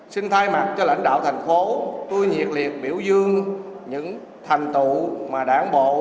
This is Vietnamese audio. xin thay mặt cho lãnh đạo thành phố tôi nhiệt liệt biểu dương những thành tụ mà đảng bộ